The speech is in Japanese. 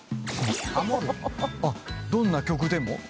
どんな曲でも？